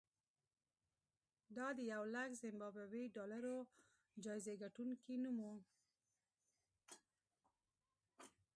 دا د یولک زیمبابويي ډالرو جایزې ګټونکي نوم و.